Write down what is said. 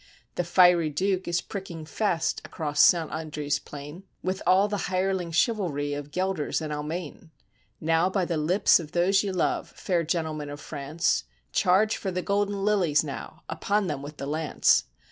The fiery Duke is pricking fast across Saint Andre's plain, With all the hireling chivalry of Guelders and Almayne, Now by the lips of those ye love, fair gentlemen of France, Charge for the golden lilies now, upon them with the lance